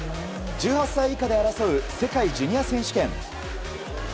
１８歳以下で争う世界ジュニア選手権。